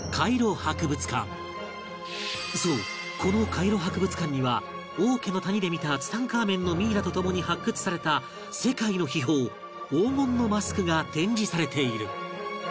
そうこのカイロ博物館には王家の谷で見たツタンカーメンのミイラと共に発掘された世界の秘宝黄金のマスクが展示されている